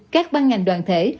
các băng ngành đoàn thể